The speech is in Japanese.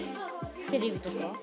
テレビとか？